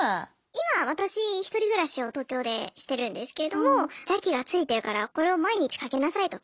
今私１人暮らしを東京でしてるんですけれども邪気がついてるからこれを毎日かけなさいと。